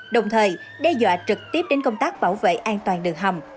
đồng thời đe dọa trực tiếp đến công tác bảo vệ an toàn đường hầm